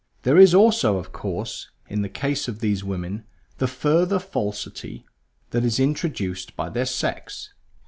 There is also, of course, in the case of these women, the further falsity that is introduced by their sex.